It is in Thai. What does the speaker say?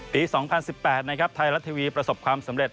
๒๐๑๘นะครับไทยรัฐทีวีประสบความสำเร็จ